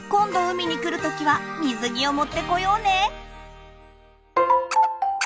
海に来る時は水着を持ってこようね！